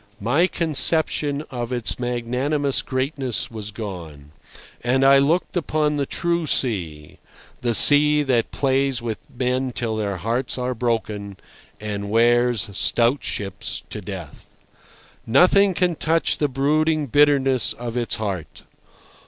My conception of its magnanimous greatness was gone. And I looked upon the true sea—the sea that plays with men till their hearts are broken, and wears stout ships to death. Nothing can touch the brooding bitterness of its heart.